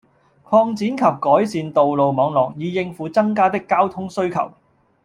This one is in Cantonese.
擴展及改善道路網絡，以應付增加的交通需求